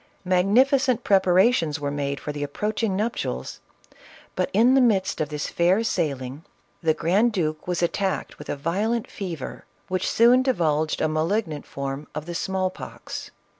Magnificent prepa rations were made for the approaching nuptials, but in the midst of this fair sailing, the grand duke was at CATHERINE OF RUSSIA. 897 tacked with a violent fever, which soon divulged a malignant form of the small pox.